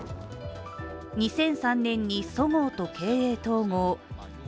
２００３年にそごうと経営統合